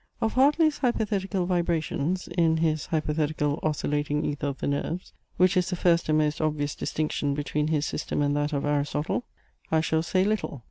Of Hartley's hypothetical vibrations in his hypothetical oscillating ether of the nerves, which is the first and most obvious distinction between his system and that of Aristotle, I shall say little.